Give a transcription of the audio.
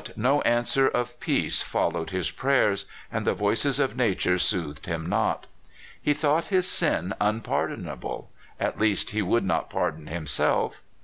But no answer of peace followed his prayers, and the voices of nature soothed him not. He thou<xht his sm unpardonable — at least, he would not pardon himself.